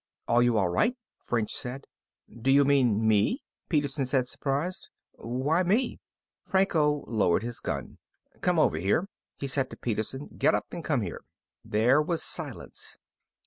"Are you all right?" French said. "Do you mean me?" Peterson said, surprised. "Why me?" Franco lowered his gun. "Come over here," he said to Peterson. "Get up and come here." There was silence.